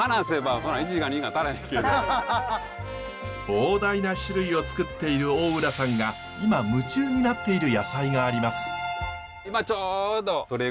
膨大な種類をつくっている大浦さんが今夢中になっている野菜があります。